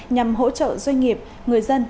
nhằm hỗ trợ doanh nghiệp người dân